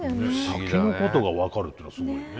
先のことが分かるっていうのがすごいよね。